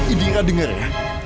indira denger ya